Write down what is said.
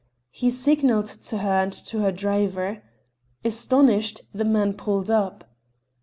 He signalled to her and to her driver. Astonished, the man pulled up.